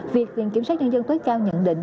việc kiểm soát nhân dân tối cao nhận định